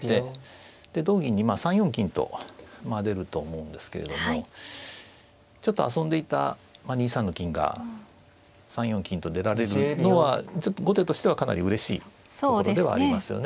で同銀に３四金と出ると思うんですけれどもちょっと遊んでいた２三の金が３四金と出られるのは後手としてはかなりうれしいところではありますよね。